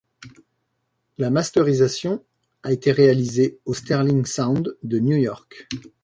La masterisation a été réalisée au Sterling Sound de New York.